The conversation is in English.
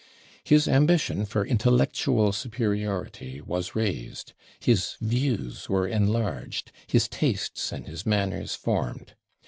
His ambition for intellectual superiority was raised, his views were enlarged, his tastes and his manners formed.